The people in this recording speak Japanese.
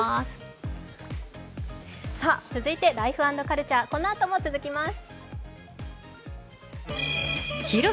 続いてライフ＆カルチャーこのあとも続きます。